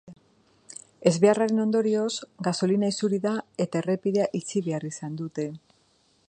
Ezbeharraren ondorioz gasolina isuri da eta errepidea itxi behar izan dute.